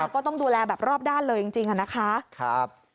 ก็ต้องดูแลแบบรอบด้านเลยจริงนะคะ